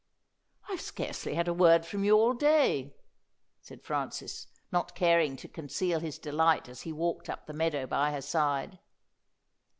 "I have scarcely had a word from you all day," said Francis, not caring to conceal his delight as he walked up the meadow by her side.